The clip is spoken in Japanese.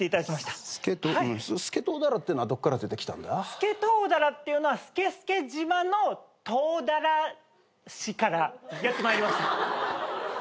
スケトウダラっていうのはスケスケ島のトウダラシからやって参りました。